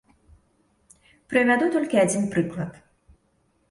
Прывяду толькі адзін прыклад.